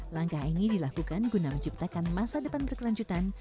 langkah ini dilakukan guna menciptakan masa depan berkelanjutan